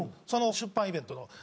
その出版イベントの。